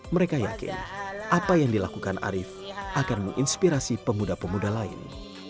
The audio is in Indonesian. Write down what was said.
mereka yakin apa yang dilakukan arief akan menginspirasi pemuda pemuda lain